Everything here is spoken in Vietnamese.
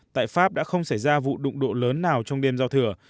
tại pháp đã không xảy ra vụ đụng độ lớn nào trong đêm giao thừa